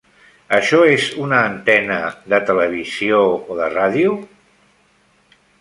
Això és una antena de televisió o de ràdio?